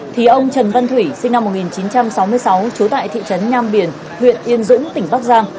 thì ông trần văn thủy sinh năm một nghìn chín trăm sáu mươi sáu trú tại thị trấn nham biển huyện yên dũng tỉnh bắc giang